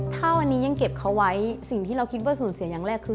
ถ้าวันนี้ยังเก็บเขาไว้สิ่งที่เราคิดว่าสูญเสียอย่างแรกคือ